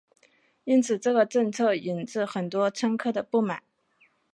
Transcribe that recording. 因此这个政策引致很多乘客的不满。